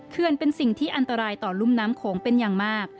เขื่อนเป็นสิ่งที่อันตรายต่อลุ่มน้ำโขงเป็นอย่างมาก